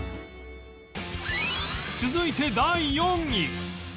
続いて第４位